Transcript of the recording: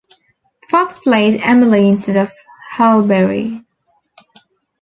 Fox played Emily instead of Halle Berry.